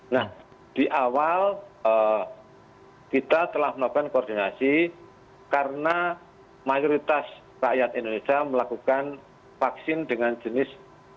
nah di awal kita telah melakukan koordinasi karena mayoritas rakyat indonesia melakukan vaksin dengan jenis